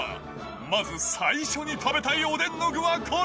まず最初に食べたいおでんの具はこれ！